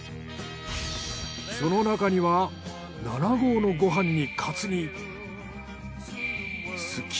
その中には７合のご飯に。